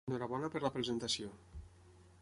Enhorabona per la presentació.